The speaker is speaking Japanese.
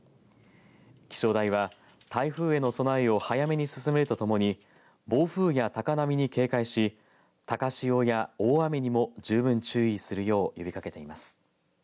気象台は台風への備えを早めに進めるとともに暴風や高波に警戒し高潮や大雨にも十分注意するよう呼びかけています。